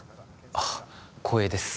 あっ光栄です